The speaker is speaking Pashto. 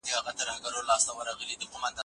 ایا کورني سوداګر وچه الوچه پلوري؟